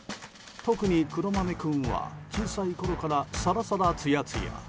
特に、くろまめ君は小さいころからサラサラつやつや。